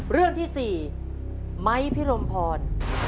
เรื่องที่๔ไม้พิรมพร